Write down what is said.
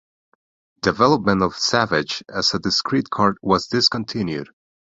Development of Savage as a discrete card was discontinued.